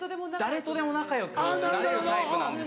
誰とでも仲良くなれるタイプ。